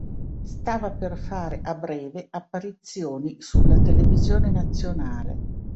Stava per fare a breve apparizioni sulla televisione nazionale.